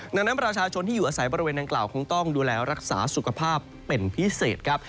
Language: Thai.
ดังนั้นประชาชนที่อยู่อาศัยบริเวณดังกล่าวคงต้องดูแลรักษาสุขภาพเป็นพิเศษครับ